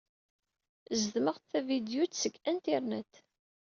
Zedmeɣ-d tavidyut seg internet.